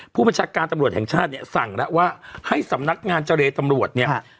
ผู้บัญชาการตำรวจแห่งชาติเนี่ยสั่งแล้วว่าให้สำนักงานเจรตำรวจเนี่ย